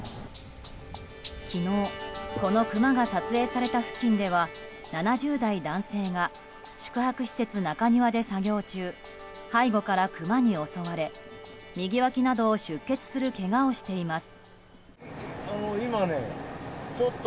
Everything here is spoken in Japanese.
昨日、このクマが撮影された付近では７０代男性が宿泊施設中庭で作業中背後からクマに襲われ右わきなどを出血するけがをしています。